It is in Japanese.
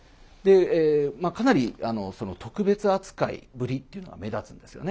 かなり特別扱いぶりというのが目立つんですよね。